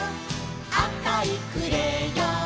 「あかいクレヨン」